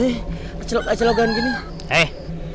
hai celok celokan gini eh